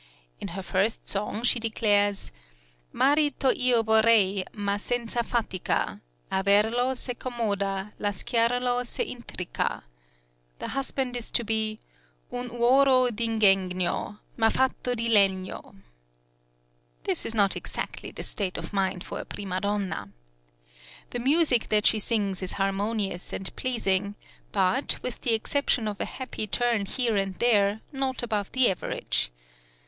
In her first song she declares(3) Mari to io vorrei, ma senza fatica, Averlo, se commoda, lasciarlo, se intrica; {THE FIRST OPERA IN VIENNA.} (82) the husband is to be Un uoroo d' ingegno Ma fatto di legno. This is not exactly the state of mind for a prima donna. The music that she sings is harmonious and pleasing, but, with the exception of a happy turn here and there, not above the average.